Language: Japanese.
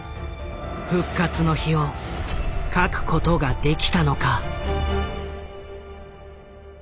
「復活の日」を書くことができたのか。